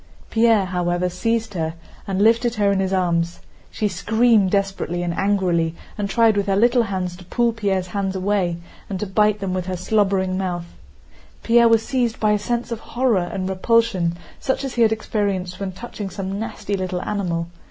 Pierre, however, seized her and lifted her in his arms. She screamed desperately and angrily and tried with her little hands to pull Pierre's hands away and to bite them with her slobbering mouth. Pierre was seized by a sense of horror and repulsion such as he had experienced when touching some nasty little animal.